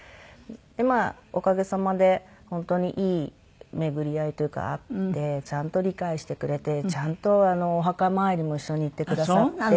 まあおかげさまで本当にいい巡り合いというかあってちゃんと理解してくれてちゃんとお墓参りも一緒に行ってくださって。